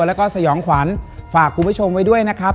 แล้วก็สยองขวัญฝากคุณผู้ชมไว้ด้วยนะครับ